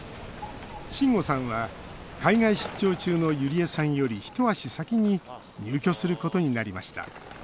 しんごさんは海外出張中のゆりえさんより一足先に入居することになりました